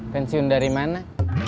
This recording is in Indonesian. pensiun dari mana